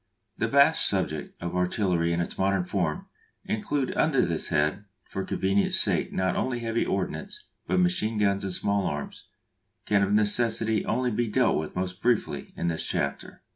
The vast subject of artillery in its modern form, including under this head for convenience' sake not only heavy ordnance but machine guns and small arms, can of necessity only be dealt with most briefly in this chapter.